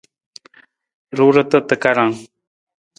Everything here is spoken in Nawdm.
Ruurata takarang.